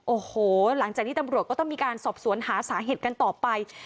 โอ้โหหลังจากนี้ตำรวจก็ต้องมีการสอบสวนหาสาเหตุกันต่อไป